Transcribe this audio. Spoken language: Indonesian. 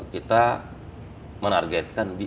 kita menargetkan di akhir september